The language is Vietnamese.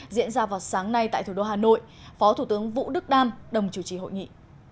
diễn ra vào sáng nay tại thủ đô hà nội phó thủ tướng vũ đức đam đồng chủ trì hội nghị